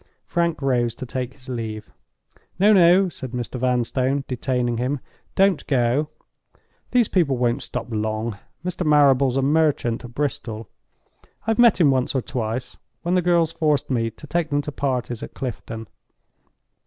Frank rose to take his leave. "No, no," said Mr. Vanstone, detaining him. "Don't go. These people won't stop long. Mr. Marrable's a merchant at Bristol. I've met him once or twice, when the girls forced me to take them to parties at Clifton.